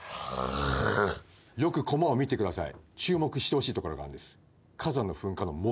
よくコマを見てください。